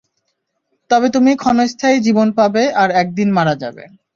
তবে তুমি ক্ষণস্থায়ী জীবন পাবে আর একদিন মারা যাবে।